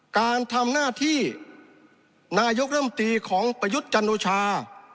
การทำหน้าที่นายกรรมตรีของประยุทธ์จันโอชา